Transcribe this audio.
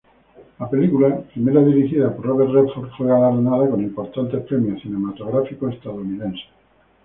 La película, primera dirigida por Robert Redford, fue galardonada con importantes premios cinematográficos estadounidenses.